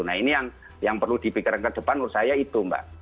nah ini yang perlu dipikirkan ke depan menurut saya itu mbak